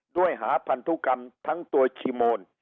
ด้วยหาพันธุกรรมทั้งตัวชีโมน